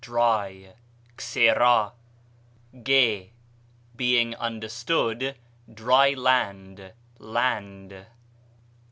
dry; ξηρά (γῆ being understood), dry land, land.